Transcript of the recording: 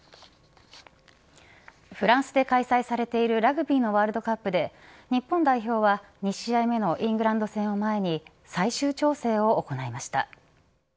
フランスで開催されているラグビーのワールドカップで日本代表は２試合目のイングランド戦を前に最終調整を行いました。